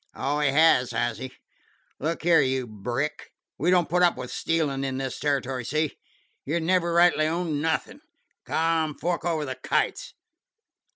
"Oh, he has, has he? Look here, you Brick, we don't put up with stealin' in this territory. See? You never rightly owned nothin'. Come, fork over the kites.